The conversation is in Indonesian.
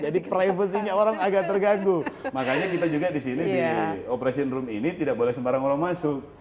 jadi privasinya orang agak terganggu makanya kita juga di sini di operation room ini tidak boleh sembarang orang masuk